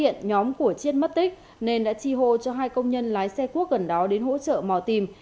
nhóm của chiết mất tích nên đã tri hồ cho hai công nhân lái xe cuốc gần đó đến hỗ trợ mò tìm